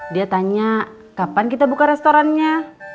dia tanya kapan kita buka restorannya